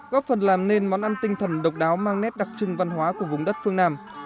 góp phần làm nên món ăn tinh thần độc đáo mang nét đặc trưng văn hóa của vùng đất phương nam